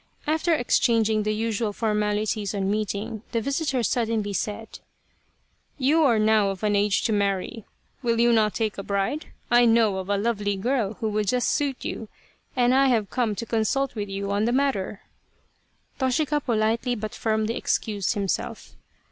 After exchanging the usual formalities on meeting, the visitor suddenly said :" You are now of an age to marry. Will you not take a bride ? I know of a lovely girl who would just 130 The Lady of the Picture suit you, and I have come to consult with you on the matter." Toshika politely but firmly excused himself.